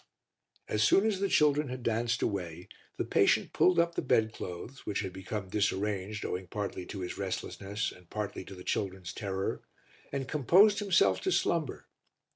As soon as the children had danced away, the patient pulled up the bed clothes, which had become disarranged owing partly to his restlessness and partly to the children's terror, and composed himself to slumber.